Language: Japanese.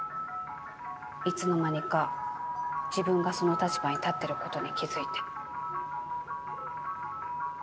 いつの間にか自分がその立場に立ってることに気付いて。